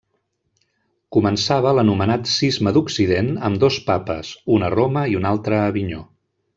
Començava l'anomenat Cisma d'Occident, amb dos papes, un a Roma i un altre a Avinyó.